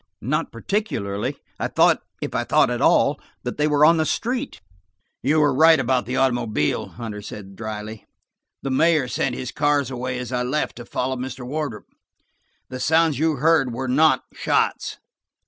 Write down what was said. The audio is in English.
"Not particularly; I thought, if I thought at all, that they were on the street." "You are right about the automobile," Hunter said dryly. "The mayor sent his car away as I left to follow Mr. Wardrop. The sounds you heard were not shots."